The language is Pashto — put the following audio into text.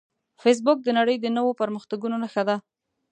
فېسبوک د نړۍ د نوو پرمختګونو نښه ده